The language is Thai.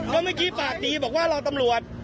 เมื่อกี้ปากดีบอกว่ารอตำรวจ